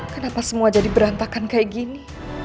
kenapa semua jadi berantakan kayak gini